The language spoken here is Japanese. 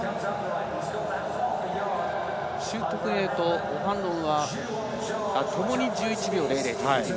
朱徳寧とオハンロンはともに１１秒００。